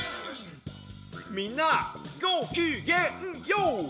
みんなごきげんＹＯ！